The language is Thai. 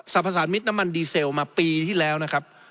พสารมิตรน้ำมันดีเซลมาปีที่แล้วนะครับ